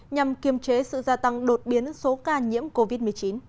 nhằm kiềm chế sự gia tăng đột biến số ca nhiễm covid một mươi chín